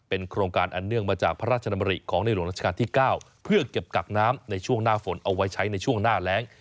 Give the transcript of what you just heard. โครงการอันเนื่องมาจากพระราชดำริของในหลวงราชการที่๙เพื่อเก็บกักน้ำในช่วงหน้าฝนเอาไว้ใช้ในช่วงหน้าแรง